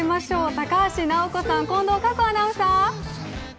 高橋尚子さん、近藤夏子アナウンサー。